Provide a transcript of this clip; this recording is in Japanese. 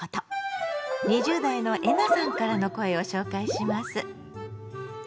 ２０代のえなさんからの声を紹介します。